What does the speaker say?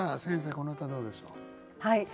この歌どうでしょう？